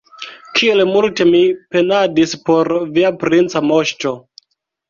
Kiel multe mi penadis por via princa moŝto!